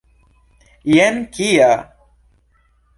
Jen kia!